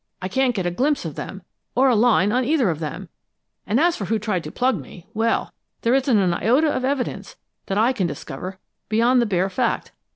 "I can't get a glimpse of them, or a line on either of them; and as for who tried to plug me well, there isn't an iota of evidence, that I can discover, beyond the bare fact.